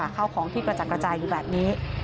ข้าวของที่กระจัดกระจายอยู่แบบนี้